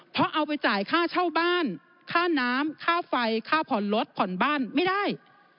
เพราะเอาไปจ่ายค่าเช่าบ้านค่าน้ำค่าไฟค่าผ่อนรถผ่อนบ้านไม่ได้